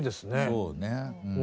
そうね。